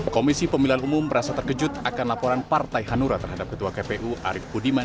komisi pemilihan umum merasa terkejut akan laporan partai hanura terhadap ketua kpu arief budiman